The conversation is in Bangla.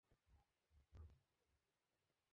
আপনি একাকী বোধ করছেন আর অতীত নিয়ে চিন্তা করছেন।